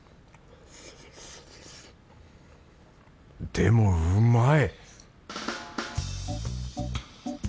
でもうまい！